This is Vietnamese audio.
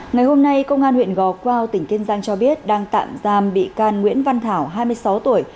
ngày hôm nay công an huyện gò quao tỉnh kiên giang cho biết đang tạm giam bị can nguyễn văn thảo hai mươi sáu tuổi